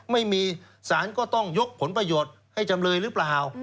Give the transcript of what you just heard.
ไม่มีสารก็ต้องยกผลประโยชน์ให้จำเลยหรือเปล่า